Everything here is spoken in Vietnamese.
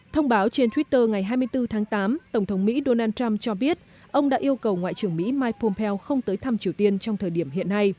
thông báo trên twitter ngày hai mươi bốn tháng tám tổng thống mỹ donald trump cho biết ông đã yêu cầu ngoại trưởng mỹ mike pompeo không tới thăm triều tiên trong thời điểm hiện nay